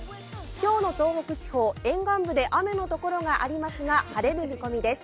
今日の東北地方、沿岸部で雨のところがありますが晴れる見込みです。